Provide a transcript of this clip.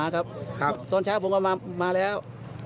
ครับตอนเช้าผมก็มาแล้ว